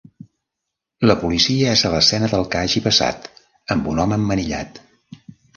La policia és a l'escena del que hagi passat amb un home emmanillat.